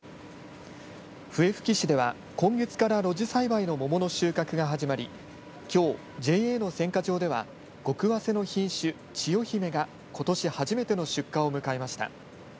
笛吹市では今月から露地栽培の桃の収穫が始まりきょうＪＡの選果場ではごくわせの品種、ちよひめがことし初めての出荷を迎えました。